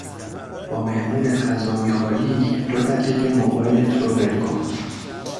با مهمونت غذا میخوری دو دقیقه موبایلت رو ول کن